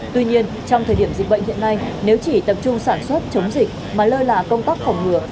tuy nhiên trong thời điểm dịch bệnh hiện nay nếu chỉ tập trung sản xuất chống dịch mà lơ là công tác phòng ngừa